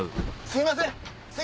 すいません。